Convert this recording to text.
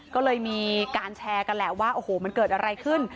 ก็เลยมีการแชร์กันแหละว่าโอ้โหมันเกิดอะไรขึ้น